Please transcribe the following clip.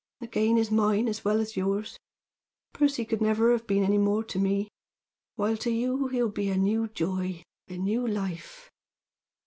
The gain is mine as well as yours. Percy could have been never any more to me, while to you he will be a new joy, a new life."